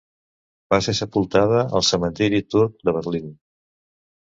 Va ser sepultat al cementiri turc de Berlín.